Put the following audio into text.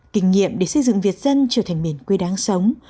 kinh nghiệm để xây dựng việt dân trở thành miền quê đáng sống